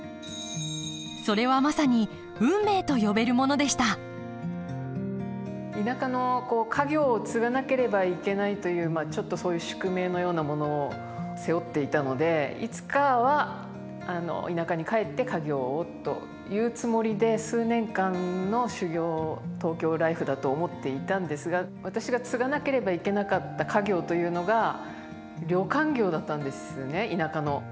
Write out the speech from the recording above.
それはまさに運命と呼べるものでした田舎の家業を継がなければいけないというちょっとそういう宿命のようなものを背負っていたのでいつかは田舎に帰って家業をというつもりで数年間の修業東京ライフだと思っていたんですが私が継がなければいけなかった家業というのが旅館業だったんですね田舎の。